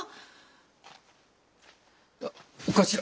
お頭。